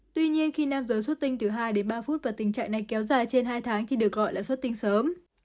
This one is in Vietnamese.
tuy nhiên khi nam giới sốt tinh từ hai ba phút và tình trạng này kéo dài trên hai tháng thì được gọi là sốt tinh sớm